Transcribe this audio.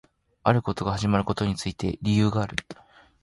あることが始まることについて理由がある